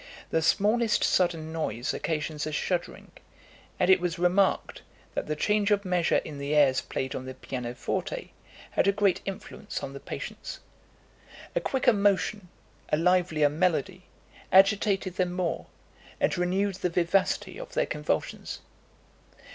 The smallest sudden noise occasions a shuddering; and it was remarked, that the change of measure in the airs played on the piano forte had a great influence on the patients. A quicker motion, a livelier melody, agitated them more, and renewed the vivacity of their convulsions.